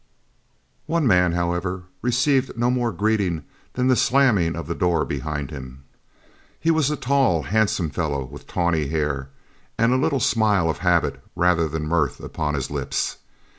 One man, however, received no more greeting than the slamming of the door behind him. He was a tall, handsome fellow with tawny hair and a little smile of habit rather than mirth upon his lips.